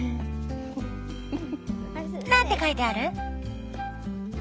何て書いてある？